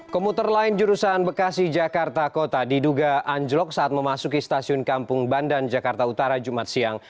komuter lain jurusan bekasi jakarta kota diduga anjlok saat memasuki stasiun kampung bandan jakarta utara jumat siang